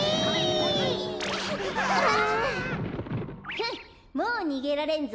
ふんっもうにげられんぞ。